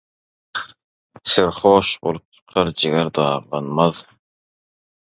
Serhoş bolup çykar, jiger daglanmaz,